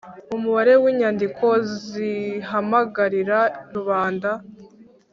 Umubare w’inyandiko zihamagarira rubanda